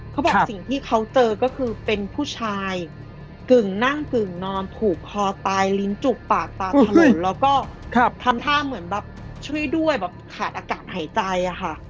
เขาบอกสิ่งที่เขาเจอก็คือเป็นผู้ชายกึ่งนั่งกึ่งนอนผูกคอตายลิ้นจุกปากตามถนนแล้วก็ทำท่าเหมือนแบบช่วยด้วยแบบขาดอากาศหายใจอะค่ะ